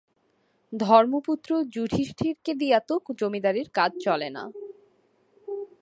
ধর্মপুত্র যুধিষ্ঠিরকে দিয়া তো জমিদারির কাজ চলে না।